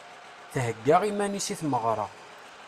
Thegga iman-is i tmeɣra.